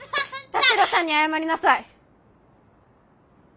田代さんに謝りなさい。